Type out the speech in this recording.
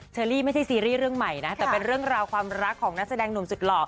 เชอรี่ไม่ใช่ซีรีส์เรื่องใหม่นะแต่เป็นเรื่องราวความรักของนักแสดงหนุ่มสุดหล่อ